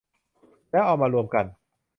แล้วเอามารวมกัน